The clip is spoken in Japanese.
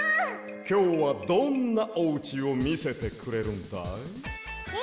きょうはどんなおうちをみせてくれるんだい？え？